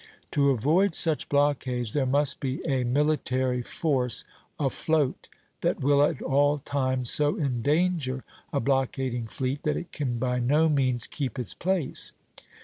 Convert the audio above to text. To avoid such blockades there must be a military force afloat that will at all times so endanger a blockading fleet that it can by no means keep its place.